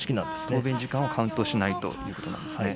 答弁時間をカウントしないということなんですね。